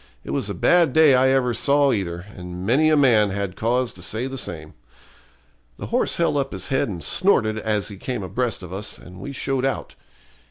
It was a bad day I ever saw either, and many a man had cause to say the same. The horse held up his head and snorted as he came abreast of us, and we showed out.